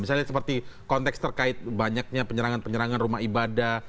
misalnya seperti konteks terkait banyaknya penyerangan penyerangan rumah ibadah